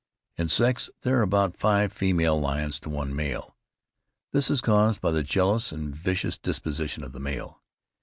In sex there are about five female lions to one male. This is caused by the jealous and vicious disposition of the male.